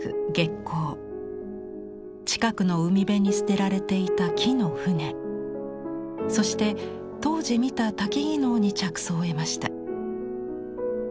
近くの海辺に捨てられていた木の船そして当時見た薪能に着想を得ました。